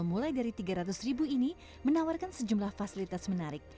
mulai dari tiga ratus ribu ini menawarkan sejumlah fasilitas menarik